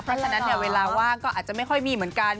เพราะฉะนั้นเนี่ยเวลาว่างก็อาจจะไม่ค่อยมีเหมือนกัน